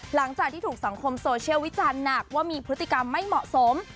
หลังจากที่ถูกสังคมโซเชียลวิจารณ์หนักว่ามีพฤติกรรมไม่เหมาะสม